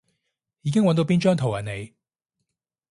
已經搵到邊張圖係你